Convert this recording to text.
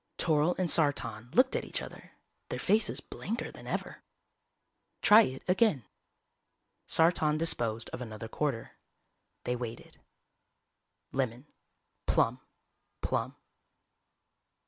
Toryl and Sartan looked at each other, their faces blanker than ever. "Try it again." Sartan disposed of another quarter. They waited. Lemon. Plum. Plum.